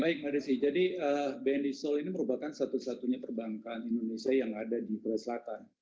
baik mbak desi jadi bni seoul ini merupakan satu satunya perbankan indonesia yang ada di korea selatan